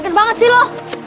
seru banget sih lo